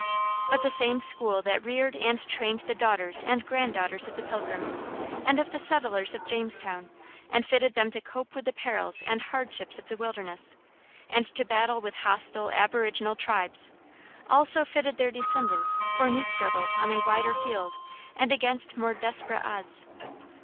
But the same school that reared and trained the daughters and grand daughters of the Pilgrims, and of the settlers of Jamestown, and fitted them to cope with the perils and hardships of the wilderness, and to battle with hostile aboriginal tribes, also fitted their descendants for new struggles on a wider field and against more desperate odds.